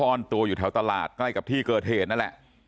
ซ่อนตัวอยู่แถวตลาดใกล้กับที่เกิดเหตุนั่นแหละ